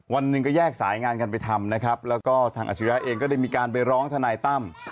วันหนึ่งก็แยกสายงานกันไปทำนะครับแล้วก็ทางอาชิริยะเองก็ได้มีการไปร้องทนายตั้ม